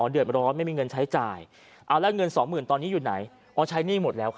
อ๋อเดือดร้อนไม่มีเงินใช้จ่ายอ้าวแล้วเงินสองหมื่นตอนนี้อยู่ไหน